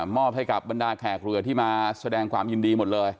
มอบให้กับบรรดาแขกเรือที่มาแสดงความยินดีหมดเลย